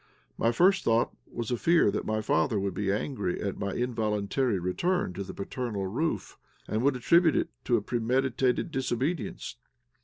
My first thought was a fear that my father would be angry at my involuntary return to the paternal roof, and would attribute it to a premeditated disobedience.